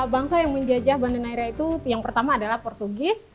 bangsa yang menjajah banda neira itu yang pertama adalah portugis